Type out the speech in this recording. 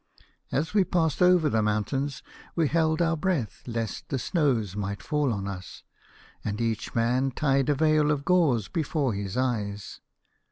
As we passed over the mountains we held our breath lest the snows might fall on us, and each man tied a veil of gauze before his eyes.